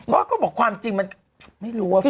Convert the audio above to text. พวกเขาบอกความจริงมันไม่รู้อะ